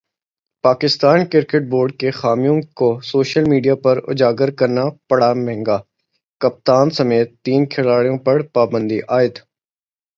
Pakistan cricket board کی خامیوں کو سوشل میڈیا پر اجاگر کرنا پڑا مہنگا ، کپتان سمیت تین کھلاڑیوں پر پابندی عائد